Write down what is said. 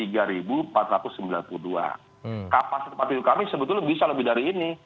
kapasitas tempat tidur kami sebetulnya bisa lebih dari ini